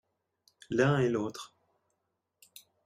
l'un et l'autre.